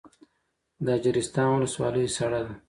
د اجرستان ولسوالۍ سړه ده